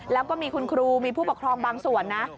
แล้วก็มีคุณครูมีผู้ปกครองบางส่วนนะ